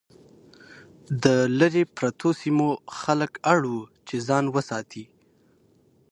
د لرې پرتو سیمو خلک اړ وو چې ځان وساتي.